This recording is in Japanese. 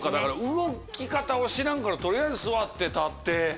動き方を知らんから取りあえず座って立って。